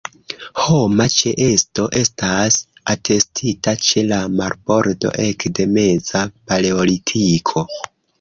Homa ĉeesto estas atestita ĉe la marbordo ekde meza paleolitiko.